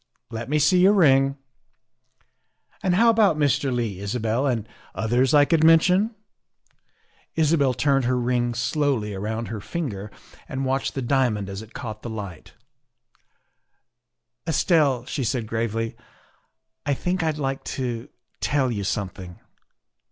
Let me see your ring. And how about Mr. Leigh, Isabel, and others I could mention?" Isabel turned her ring slowly around her finger and watched the diamond as it caught the light. 122 THE WIFE OF "Estelle," she said gravely, "I think I'd like to tell you something."